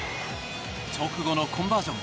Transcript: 直後のコンバージョン。